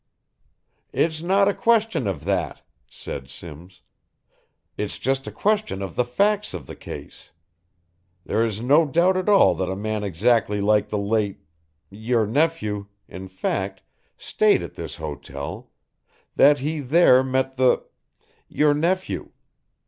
"It's not a question of that," said Simms. "It's just a question of the facts of the case. There is no doubt at all that a man exactly like the late your nephew, in fact, stayed at this hotel, that he there met the your nephew.